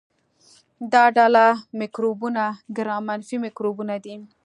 دا ډله مکروبونه ګرام منفي مکروبونه دي.